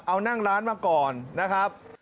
เอานั่งร้านมาก่อนนะครับ